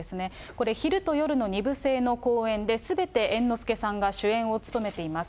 これ、昼と夜の２部制の公演で、すべて猿之助さんが主演を務めています。